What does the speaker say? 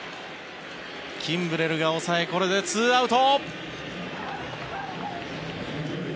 キンブレルが抑えこれで２アウト。